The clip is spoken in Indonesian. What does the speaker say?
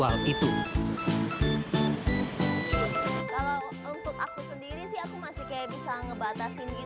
dan di sini juga bisa menunjukkan bahwa game ini bisa diperbolehkan dengan cara virtual itu